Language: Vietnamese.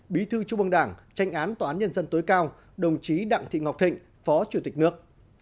bí thư trung ương đảng tranh án tòa án nhân dân tối cao đồng chí đặng thị ngọc thịnh phó chủ tịch nước